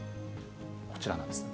こちらなんです。